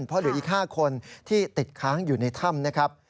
เพราะเหลืออีก๕คนที่ติดค้างอยู่ในถ้ำนะครับ